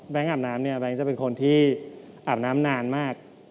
แบงค์อาบน้ำแบงค์จะเป็นคนที่อาบน้ำนานมาก